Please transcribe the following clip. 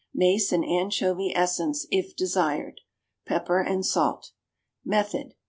Mace and anchovy essence, if desired. Pepper and salt. _Method.